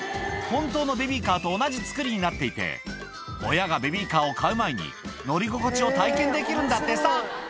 本当のベビーカーと同じ作りになっていて、親がベビーカーを買う前に、乗り心地を体験できるんだってさ。